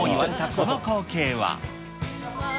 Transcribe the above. この光景は。